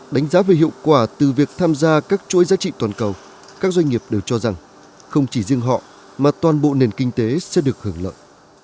đánh giá về hiệu quả từ việc tham gia các chuỗi giá trị toàn cầu các doanh nghiệp đều cho rằng không chỉ riêng họ mà toàn bộ nền kinh tế sẽ được hưởng lợi